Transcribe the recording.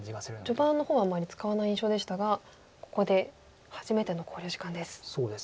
序盤の方はあまり使わない印象でしたがここで初めての考慮時間です。